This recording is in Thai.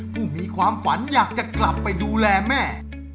ผู้มีความฝันอยากจะกลับไปดูแลแม่